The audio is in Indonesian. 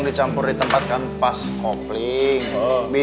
kita kita ditubuhkan husus kettu cikgap